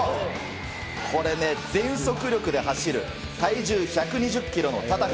これね、全速力で走る、体重１２０キロのタタフ。